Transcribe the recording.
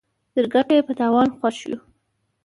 تر ګټه ئې په تاوان خوښ يو.